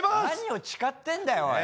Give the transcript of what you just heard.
何を誓ってんだよ？